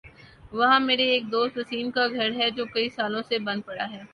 وہاں میرے ایک دوست وسیم کا گھر ہے جو کئی سالوں سے بند پڑا ہے ۔